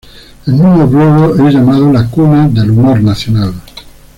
El mismo pueblo es llamado La cuna del humor nacional.